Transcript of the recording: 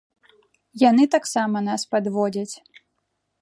Яны таксама нас падводзяць.